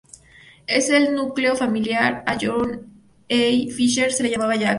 En el núcleo familiar a John A. Fisher se le llamaba "Jack".